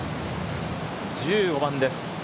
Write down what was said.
１５番です。